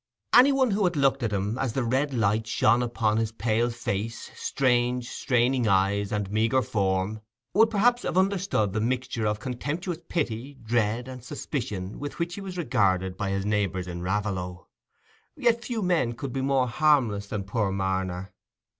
Any one who had looked at him as the red light shone upon his pale face, strange straining eyes, and meagre form, would perhaps have understood the mixture of contemptuous pity, dread, and suspicion with which he was regarded by his neighbours in Raveloe. Yet few men could be more harmless than poor Marner.